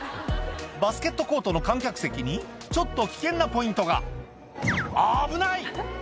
バスケットコートの観客席にちょっと危険なポイントがアブナイ！